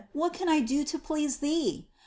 what can I do to pleasq Thee ?